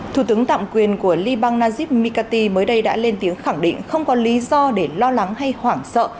thủ tướng tạm quyền của liban najib mikati mới đây đã lên tiếng khẳng định không có lý do để lo lắng hay hoảng sợ